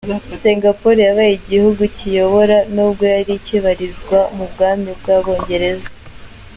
Singapore yabaye igihugu cyiyobora, n’ubwo yari ikibarizwa mu bwami bw’abongereza.